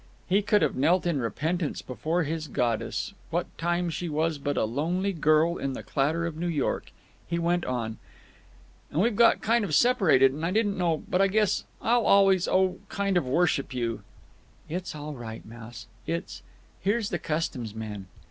He could have knelt in repentance before his goddess, what time she was but a lonely girl in the clatter of New York. He went on: "And we've got kind of separated, and I didn't know—But I guess I'll always—oh—kind of worship you." "It's all right, Mouse. It's—Here's the customs men."